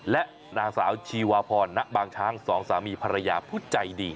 และนางสาวชีวาพรณบางช้างสองสามีภรรยาผู้ใจดี